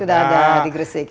sudah ada di gersik